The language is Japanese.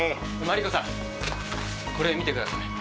マリコさんこれ見てください。